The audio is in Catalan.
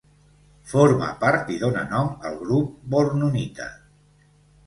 Forma part i dóna nom al grup bournonita.